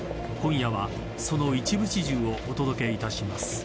［今夜はその一部始終をお届けいたします］